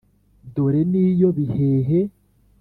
dore ni yo bihehe